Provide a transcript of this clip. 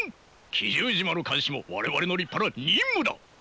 奇獣島の監視も我々の立派な任務だ。